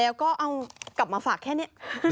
เอามานะ